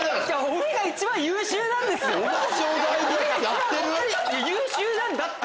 俺が一番優秀なんだって！